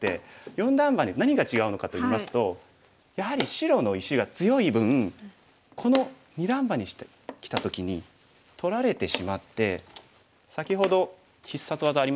四段バネ何が違うのかといいますとやはり白の石が強い分この二段バネしてきた時に取られてしまって先ほど必殺技ありましたよね。